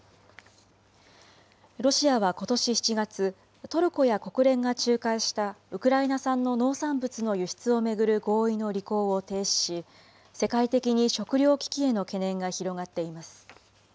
ロシアはことし７月、トルコや国連が仲介したウクライナ産の農産物の輸出を巡る合意の履行を停止し、世界的に食料危機への懸念が広がっています。